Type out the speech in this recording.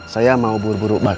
saya mau buru buru